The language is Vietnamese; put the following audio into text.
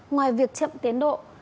ngoài việc chậm tiến độ